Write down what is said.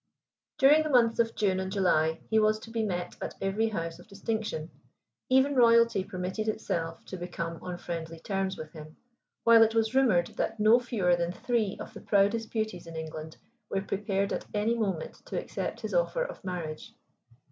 During the months of June and July he was to be met at every house of distinction. Even royalty permitted itself to become on friendly terms with him, while it was rumored that no fewer than three of the proudest beauties in England were prepared at any moment to accept his offer of marriage.